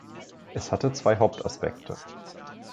Es hatte zwei Hauptaspekte.